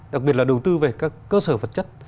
đặc biệt là đầu tư về các cơ sở vật chất